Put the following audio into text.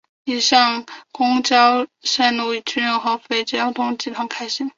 以上公交线路均由合肥公交集团开行。